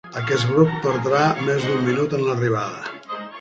Aquest grup perdrà més d'un minut en l'arribada.